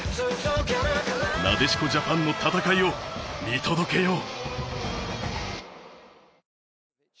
なでしこジャパンの戦いを見届けよう。